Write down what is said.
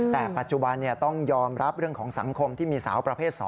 แต่ปัจจุบันต้องยอมรับเรื่องของสังคมที่มีสาวประเภท๒